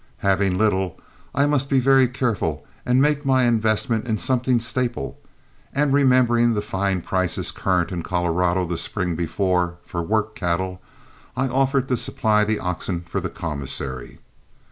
Having little, I must be very careful and make my investment in something staple; and remembering the fine prices current in Colorado the spring before for work cattle, I offered to supply the oxen for the commissary.